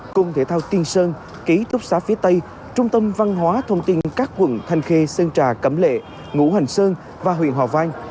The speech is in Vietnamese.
cung thể thao tiên sơn ký túc xá phía tây trung tâm văn hóa thông tin các quận thanh khê sơn trà cẩm lệ ngũ hành sơn và huyện hòa vang